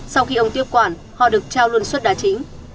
sau khi ông tiếp quản họ được trao luôn suất đà chính